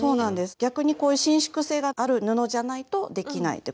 逆にこういう伸縮性がある布じゃないとできないってことですね。